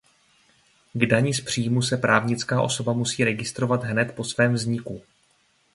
K dani z příjmů se právnická osoba musí registrovat hned po svém vzniku.